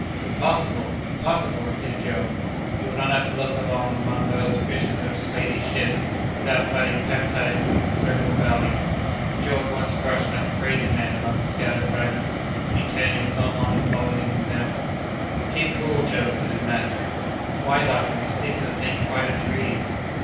"Impossible! impossible!" repeated Joe. "You would not have to look long among those fissures of slaty schist without finding peptites of considerable value." Joe at once rushed like a crazy man among the scattered fragments, and Kennedy was not long in following his example. "Keep cool, Joe," said his master. "Why, doctor, you speak of the thing quite at your ease."